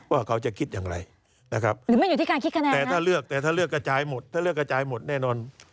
ว่าเขาจะคิดอย่างไรนะครับแต่ถ้าเลือกกระจายหมดถ้าเลือกกระจายหมดแน่นอน